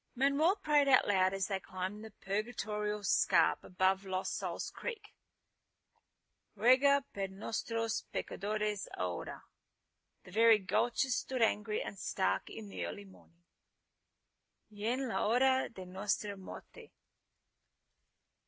Manuel prayed out loud as they climbed the purgatorial scarp above Lost Souls Creek, "ruega por nosotros pecadores ahora " the very gulches stood angry and stark in the early morning "_y en la hora de neustra muerte.